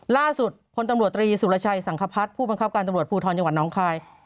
ล่าสุดพลตำรวจตรีสุรชัยสังคพัฒน์ผู้บังคับการตำรวจภูทรจังหวัดน้องคาย